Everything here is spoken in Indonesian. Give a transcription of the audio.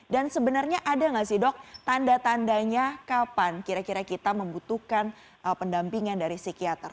dan sebenarnya ada nggak sih dok tanda tandanya kapan kira kira kita membutuhkan pendampingan dari psikiater